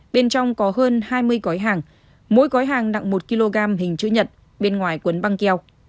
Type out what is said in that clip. bên trong có hơn hai mươi gói hàng mỗi gói hàng nặng một kg hình chữ nhật bên ngoài quấn băng keo